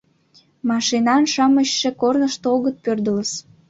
Машинан-шамычше корнышто огыт пӧрдалыс.